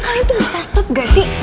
kalian tuh bisa stop gak sih